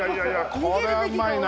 これはうまいな。